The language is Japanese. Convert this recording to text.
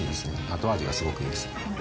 後味がすごくいいですね。